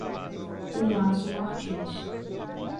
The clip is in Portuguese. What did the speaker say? Inácio Martins